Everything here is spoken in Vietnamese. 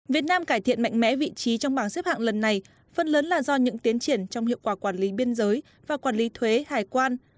điện mạnh mẽ vị trí trong bảng xếp hạng lần này phần lớn là do những tiến triển trong hiệu quả quản lý biên giới và quản lý thuế hải quan